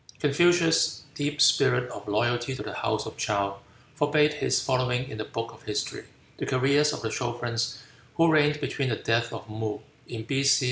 Confucius' deep spirit of loyalty to the House of Chow forbade his following in the Book of History the careers of the sovereigns who reigned between the death of Muh in B.C.